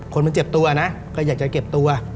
คนมันเจ็บตัวนะก็อยากจะเก็บตัว